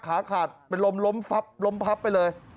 ขาขาดเป็นลมล้มฟับล้มพับไปเลย